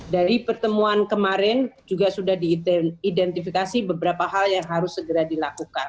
dari pertemuan kemarin juga sudah diidentifikasi beberapa hal yang harus segera dilakukan